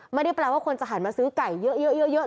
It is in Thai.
ไม่ได้แปลว่าคนจะหันมาซื้อไก่เยอะ